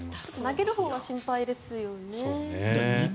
投げるほうは心配ですよね。